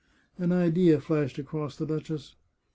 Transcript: " An idea flashed across the duchess.